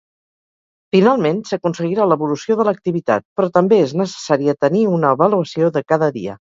Finalment, s'aconseguirà l’evolució de l'activitat, però també és necessària tenir una avaluació de cada dia.